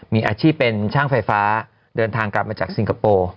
มีอาชีพเป็นช่างไฟฟ้าเดินทางกลับมาจากสิงคโปร์